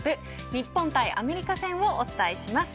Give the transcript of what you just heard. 日本対アメリカ戦をお伝えします。